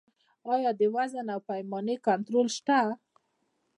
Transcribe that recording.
آیا د وزن او پیمانې کنټرول شته؟